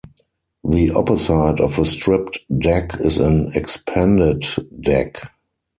The opposite of a stripped deck is an expanded deck.